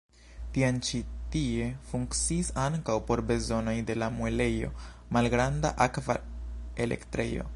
Tiam ĉi tie funkciis ankaŭ por bezonoj de la muelejo malgranda akva elektrejo.